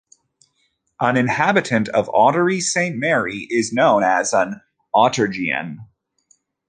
An inhabitant of Ottery Saint Mary is known as an "Ottregian".